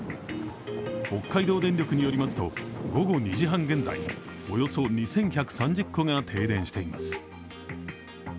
北海道電力によりますと午後２時半現在、およそ２１３０戸が停電しています。